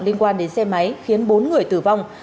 liên quan đến xe máy khiến bốn người tử vong